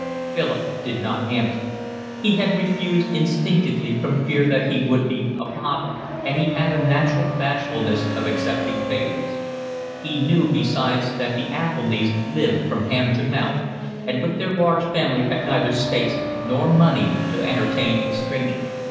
Philip did not answer. He had refused instinctively from fear that he would be a bother, and he had a natural bashfulness of accepting favours. He knew besides that the Athelnys lived from hand to mouth, and with their large family had neither space nor money to entertain a stranger.